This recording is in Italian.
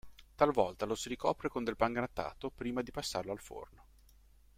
Talvolta lo si ricopre con del pangrattato prima di passarlo al forno.